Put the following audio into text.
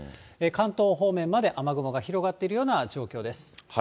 関東方面まで雨雲が広がっているような状況です。